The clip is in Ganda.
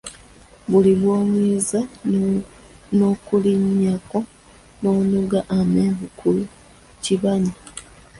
Buli bwoyinza nokulinyako nonoga amenvu ku kibanyi!